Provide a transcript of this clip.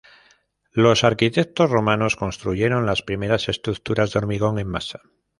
Los arquitectos romanos construyeron las primeras estructuras de hormigón en masa.